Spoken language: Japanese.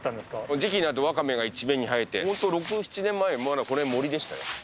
時期になるとワカメが一面に生えて、本当６、７年前は森でしたよ。